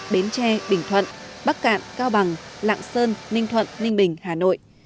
bến tre bình thuận bắc cạn cao bằng lạng sơn ninh thuận ninh bình hà nội